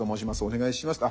お願いします」